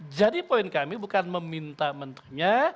jadi poin kami bukan meminta menternya